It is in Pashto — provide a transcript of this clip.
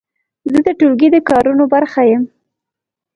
زه د ټولګي د کارونو برخه یم.